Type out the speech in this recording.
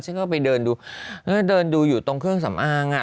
ฉันก็ไปเดินดูแล้วก็เดินดูอยู่ตรงเครื่องสำอางอ่ะ